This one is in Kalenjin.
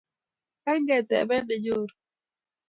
kany ketebe nenyoru.